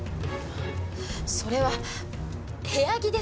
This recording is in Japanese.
それは部屋着です。